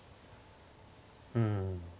うん。